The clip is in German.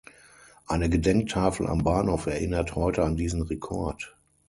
Eine Gedenktafel am Bahnhof erinnert heute an diesen Rekord.